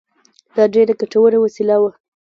دا ډېره ګټوره وسیله وه.